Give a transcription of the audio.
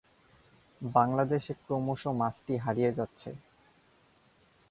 বাংলাদেশে ক্রমশ মাছটি হারিয়ে যাচ্ছে।